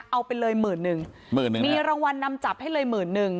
เอาไปเลยหมื่นนึงมีรางวัลนำจับให้เลยหมื่นนึง